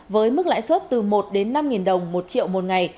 với mức lãi suất từ một đến năm đồng một triệu một ngày